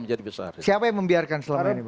menjadi besar siapa yang membiarkan selama ini